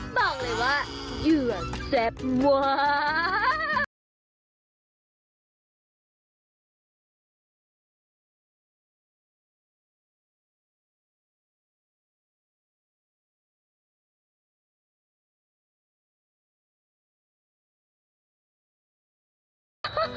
บอกเลยว่าเหยื่อแซ่บว้าว